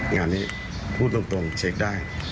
งานนี้พูดตรงเช็คได้